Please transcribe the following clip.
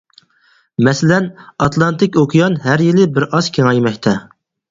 مەسىلەن، ئاتلانتىك ئوكيان ھەر يىلى بىر ئاز كېڭەيمەكتە.